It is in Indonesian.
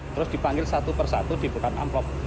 terus dipanggil satu persatu di bukan amplop